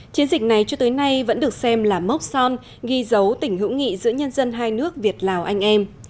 chiến dịch này cho tới nay vẫn được xem là mốc son ghi dấu tỉnh hữu nghị giữa nhân dân hai nước việt lào anh em